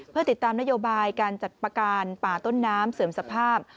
เพื่อติดตามนโยบายการจัดประการป่าต้นน้ำเสริมสภาพ